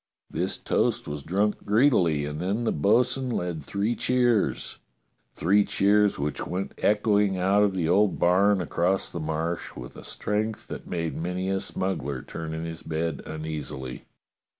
This toast was drunk greedily, and then the bo'sun led three cheers — three cheers which went echoing out of the old barn across the Marsh with a strength that made many a smuggler turn in his bed uneasily.